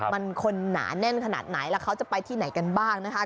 มันคนหนาแน่นขนาดไหนแล้วเขาจะไปที่ไหนกันบ้างนะคะ